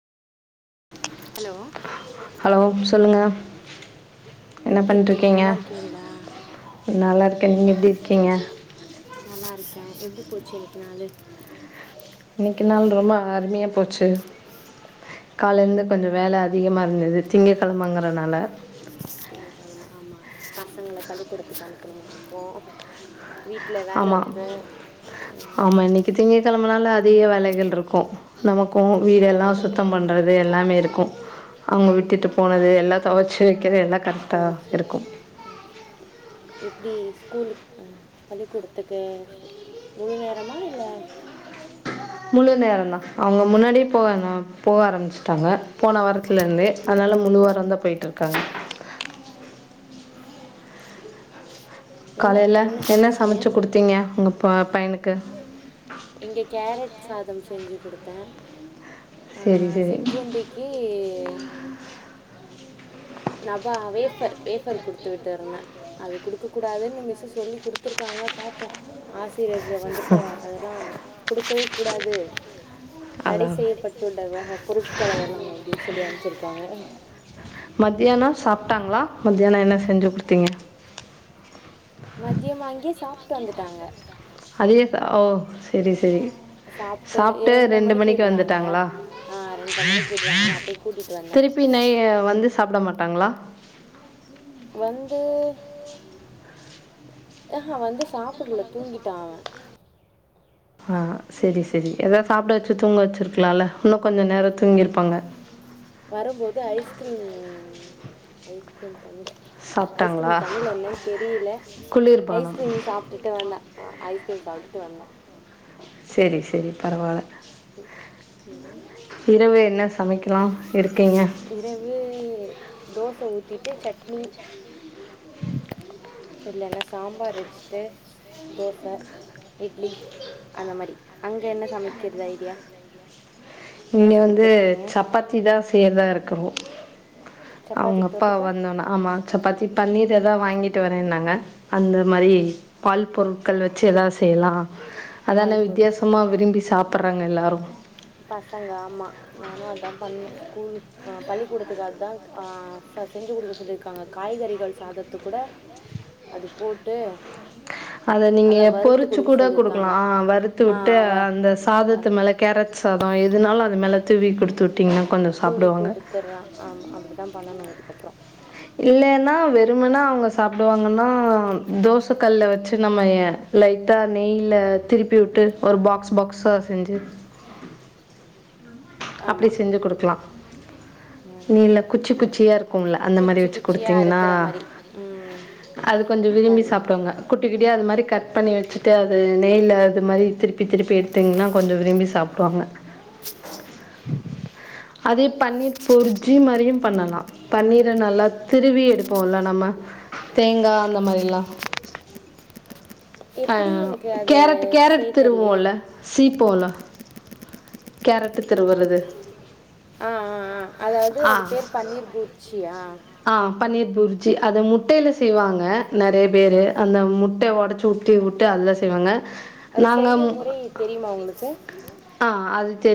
allow hello சொல்லுங்க என்ன இருக்கீங்க பண்ட்ருக்கீங்க நல்லா இருக்கீங்களா நல்லா இருக் நீங்க எப்டி இருக்கிங்க நல்லா இருக்கே எப்டி போச்சு இன்னிக்கு நாளு இன்னிக்கு நாளு ரொம்ப அருமையா போச்சு கால இருந்து கொஞ்ச வேல அதிகமா இருந்துது திங்கக் கெழம்மங்கறனால [unintelligible] காதுமா ஆமா பசங்கள பள்ளிக்கூடத்துக்கு அனுப்பணுமா இருக்கு ஆமா உம், ஆமா இன்னிக்கு திங்கக்கெழமனால அதிக வேலைகள் இருக்கு நமக் க்கு வீடெல்லா எல்லாருக்கும் தான் சுத்தம் பண்றது எல்லாமே இருக் க்கு அவங்க விட்டுட்டு போனது எல்லா தொவச்சு வெக்கிறது எல்லா தொவச்சு ம் இப் இப்டி ஸ்கூல்லுக் அ பள்ளிக்கூடத்துக்கு முழு நேரமா இல்ல முழு நேரந்தா அவங்க முன்னாடியே போவாங்க போக ஆரம்பிச்சுட்டாங்க போன வரத்துல இருந்தே அதுனால முழுவாரந்தா போயிட் இருக்காங்க என்ன காலைல என்ன சமைச்சிங்க சமச்சு குடுத்தீங்க உங்க பா பைனுக்கு இங்க கேரட் சாதம் செஞ்சு குடுத்த சரி சரி சிற்றுருண்டிக்கு நா வா வேபர் வேபர் குடுத்து விட்டு இருந்த அது குடுக்க கூடாதுன்னு மிஸ் சொல்லி குடுத்துருக்காங்க பாப்போ ஆஸ் பிறகு வந்துட்டு அதெலா குடுக்கவே கூடாது தடை அதான் செய்யப்பட்டுள்ள வக பொருட்கள்ளதலா அப்டின் சொல்லி அமுச்சிருக்காங்க சாப்டாங்ளா மத்தியானோ என்ன செஞ்சு குடுத்தீங்க மத்யம் அங்யே சாப்டு வந்துட்டாங்க அதே ஓ செரி செரி சாப்ட்டு இரண்ட்ர மணிக்கு விடுறாங்க வந்துட்டாங்களா ஆ ரெண்ட்ர மணிக்கு விடுவாங்க நா போய் கூட்டிட்டு வந்தே சாப்ட மாட்டாங்ளா வந்து அ ஆ வந்து சாப்பட்ல தூங்கிட்டா அவன் ஆ செரி செரி ஏதாத் சாப்ட வச்சி தூங்க வச்சிருக்லால இன்னு கொஞ்ச நேரோ தூங்கிருப்பாங்க வரம்போது ஐஸ்கிரீம் ம் ஐஸ்க்ரீம் தமிழ் ஐஸ்க்ரீம் சாப்பிட்டாங்களா தமிழ்ல என்னனு தெரில குளிர்பானம் ஐஸ்க்ரீம் சாப்டுட்டு வந்த ஆ ஐஸ் ஐஸ்க்ரீம் சாப்ட்டுட்டு வந்தோ சேரி சேரி பரவால்ல உம் இரவு என்ன சமைக்கலாம் ம் இருக்கீங்க இரவு தோச ஊத்தி சட்னி இல்லனா சாம்பார் வெச்சுட்டு தோச இட்லி அந்த மாரி அங்க என்ன சமைக்கற்து ஐடியா இங்க யோசிச்சு வந்து வச்சுருக்கீங்க சப்பாத்தி தா ஸ் செய்யறதா இருக்கறோ அவுங்க சப்பாத்திக்கு அப்பா தொட்டுக்க வந்தோன ஆமா சப்பாத்தி பன்னீர் எதா வாங்கிட்டு வரேன்னாங்க அந்த மாரி பால் பொருட்கள் வச்சு எதாவது செய்லா அதான பால் வித்தியாசமா பொறுப்பு விரும்பி சாப்பர் வாங்க எல்லாரும் பசங்க ஆமா நானு அதா பன்னும் ஸ்கூல் ஆ பள்ளிக்கூடத்துகு அதான் கா ச செஞ்சு குடுக்க சொல்லிர்காங்க காய்கறிகள் சாதத்துக் கூட அது போட்டு அத நீங்க நல்லா வறுத்து பொறிச்சு கொடுக்க கூட குடுக்கலா சொல்லியிருக்காங்க அ வறுத்து ஆ வுட்டு வ அந்த வ சாதத்து மேல கேரட் சாதோ எதுனாலு அது மேல தூவி குடுத்து வுட்டீங்னா கொஞ்ஜோ தூவி சாப்டுவாங்க கொடுத்துட்றேன் ஆமாம் அப்படி தான் பண்ணணும் இதுக்கப்புறம் இல்லைன்னா வெறும்மனா அவங்க சாப்டுவாங்கன்னா தோச கல்ல வச்சு நம்ம லைட்டா நெய்ல திருப்பி உட்டு ஒரு பாக்ஸ் பாக்ஸா செஞ்சு அப்டி ஆமாம் செஞ்சு குடுக்கலா ம் நீ இல்ல குச்சி குச்சியா இருக்கும்ல அந்த மாரி குச்சி குச்சியாக குடுத்தீங்ன்னா இருக்கிற மாதிரி ம் அது கொஞ்சோ விரும்பி பண் சாப்டுவாங்க குட்டி ட்டியா அந்த மாரி கட் பண்ணி வெச்ட்டு அது நெய்ல அது மாரி திருப்பி திருப்பி எடுத்திங்னா கொஞ்ஜோ விரும்பி சாப்டுவாங்க அதே பண்ணீர் பொர்ஜி மாரியு பண்ணலா பண்ணீர நல்லா திருவி எடுப்போம்ல நம்ம தேங்கா அந்த மாரிலா ஆ எப்படி எனக்கு அது கேரட்டு கேரட் செய்ய தெரியலையே திருவோல சீ போல கேரட்டு திருவுறது ஆ ஆ ஆ அதாவது ஆ அது பேரு பன்னீர் பூர்ஜியா ஆ பன்னீர் பூர்ஜி அத முட்டைல செய்வாங்க நறைய பேரு அந்த முட்ட ஒடச்சு வுட்டி வுட்டு முட்டை அதுல செய்வாங்க அது நாங்கம் செய்யும் முறை தெரியுமா உங்களுக்கு ஆ அது